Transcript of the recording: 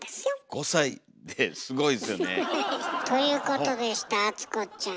５歳ですごいですよねえ。ということでした淳子ちゃん。